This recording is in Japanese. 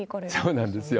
そうなんですよ。